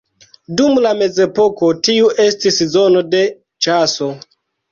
Dum la Mezepoko tiu estis zono de ĉaso.